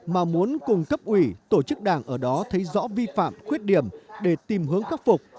mà muốn cùng cấp ủy tổ chức đảng ở đó thấy rõ vi phạm khuyết điểm để tìm hướng khắc phục